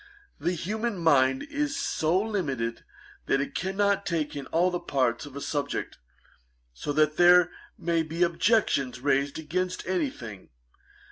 The human mind is so limited, that it cannot take in all the parts of a subject, so that there may be objections raised against any thing.